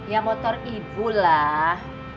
ya motor ibu lah